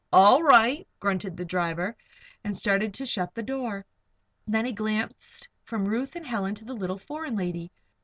All right!" grunted the driver, and started to shut the door. Then he glanced from Ruth and Helen to the little foreign lady.